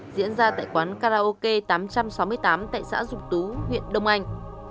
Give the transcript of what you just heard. diễn ra tại quán karaoke tám trăm sáu mươi tám tại xã dục tú huyện đông anh